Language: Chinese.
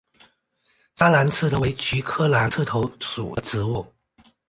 砂蓝刺头为菊科蓝刺头属的植物。